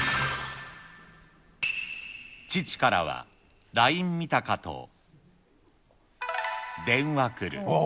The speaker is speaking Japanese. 父からはライン見たかと電話来る。